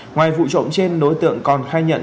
ngoài vụ trộm trên đối tượng còn khai nhận